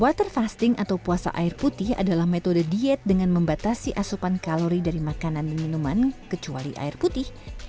water fasting atau puasa air putih adalah metode diet dengan membatasi asupan kalori dari makanan dan minuman kecuali air putih